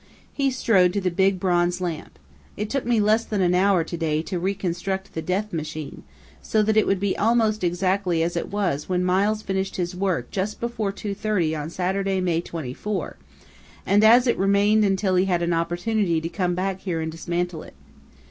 He strode to the big bronze lamp. "It took me less than an hour today to reconstruct the death machine so that it would be almost exactly as it was when Miles finished his work just before 2:30 on Saturday, May 24 and as it remained until he had an opportunity to come back here and dismantle it.